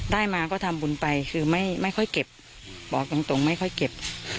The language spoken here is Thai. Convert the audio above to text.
ได้มาก็ทำบุญไปคือไม่ค่อยเก็บบอกตรงไม่ค่อยเก็บ